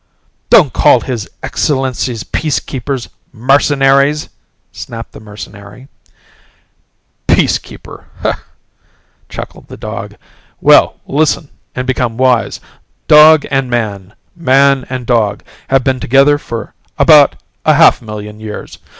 "Don't call His Excellency's Peacekeepers 'mercenaries'!" snapped the mercenary. "Peacekeeper," chuckled the dog. "Well listen and become wise. Dog and man, man and dog, have been together for about a half million years.